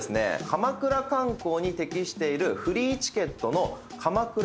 鎌倉観光に適しているフリーチケットの鎌倉